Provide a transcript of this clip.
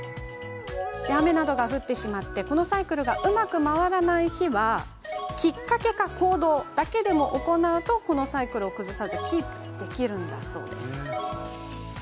雨の日など、このサイクルがうまく回らない日はきっかけか行動だけでも行うとこのサイクルを崩さずキープできるんだそうです。